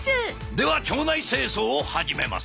では町内清掃を始めます